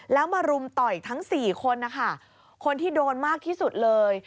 แล้วมารุมต่อยทั้ง๔คนนะคะคนที่โดนมากที่สุดเลย